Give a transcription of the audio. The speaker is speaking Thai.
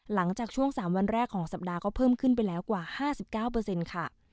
หลังจากช่วง๓วันแรกของสัปดาห์ก็เพิ่มขึ้นไปแล้วกว่า๕๙ค่ะ